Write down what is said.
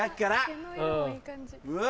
うわ！